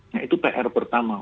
nah itu pr pertama